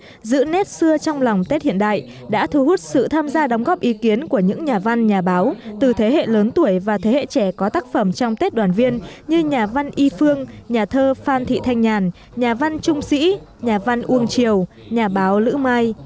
tết giữ nét xưa trong lòng tết hiện đại đã thu hút sự tham gia đóng góp ý kiến của những nhà văn nhà báo từ thế hệ lớn tuổi và thế hệ trẻ có tác phẩm trong tết đoàn viên như nhà văn y phương nhà thơ phan thị thanh nhàn nhà văn trung sĩ nhà văn uông triều nhà báo lữ mai